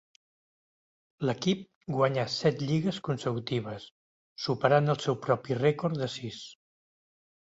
L'equip guanyà set lligues consecutives, superant el seu propi rècord de sis.